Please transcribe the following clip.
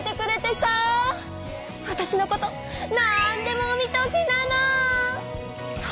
わたしのことなんでもお見通しなの！